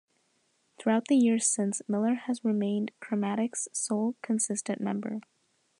Throughout the years since, Miller has remained Chromatics' sole consistent member.